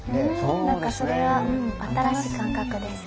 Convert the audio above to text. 何かそれは新しい感覚です